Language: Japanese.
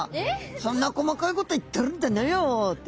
そんな細かいこと言ってるんじゃないよって。